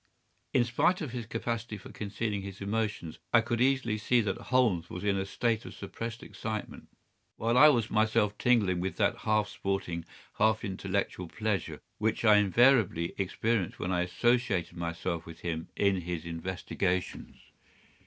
In spite of his capacity for concealing his emotions, I could easily see that Holmes was in a state of suppressed excitement, while I was myself tingling with that half sporting, half intellectual pleasure which I invariably experienced when I associated myself with him in his investigations.